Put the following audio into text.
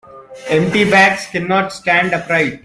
Empty bags cannot stand upright.